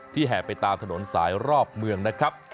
แห่ไปตามถนนสายรอบเมืองนะครับ